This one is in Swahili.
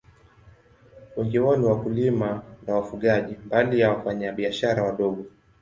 Wengi wao ni wakulima na wafugaji, mbali ya wafanyabiashara wadogo.